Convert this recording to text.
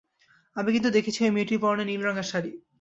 আমি কিন্তু দেখেছি, ঐ মেয়েটির পরনে নীল রঙের শাড়ি।